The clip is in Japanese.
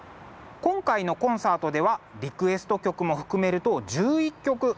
今回のコンサートではリクエスト曲も含めると１１曲。